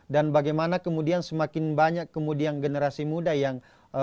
dan bagaimana kemudian semakin banyak kemudian generasi muda yang mautun